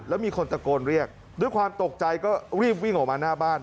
แล้วมีคนตะโกนเรียกด้วยความตกใจก็รีบวิ่งออกมาหน้าบ้าน